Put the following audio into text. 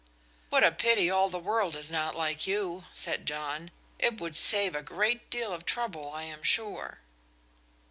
"What a pity all the world is not like you!" said John. "It would save a great deal of trouble, I am sure."